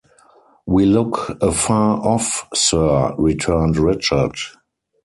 "We look afar off, sir," returned Richard.